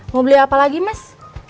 mau beli apa lagi mas